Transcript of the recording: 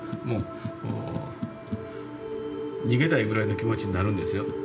もう逃げたいぐらいの気持ちになるんですよ。